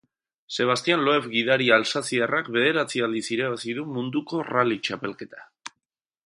Sebastien Loeb gidari alsaziarrak bederatzi aldiz irabazi du Munduko Rally Txapelketa.